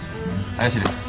林です。